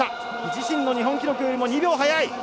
自身の日本記録よりも２秒速い。